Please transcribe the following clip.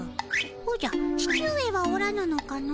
おじゃ父上はおらぬのかの？